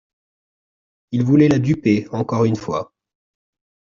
Il voulait la duper encore une fois.